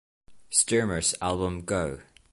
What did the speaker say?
Stuermer's album Go!